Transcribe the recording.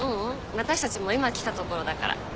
私たちも今来たところだから。